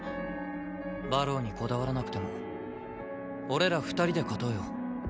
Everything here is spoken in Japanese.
馬狼にこだわらなくても俺ら２人で勝とうよ。